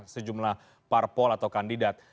sejumlah parpol atau kandidat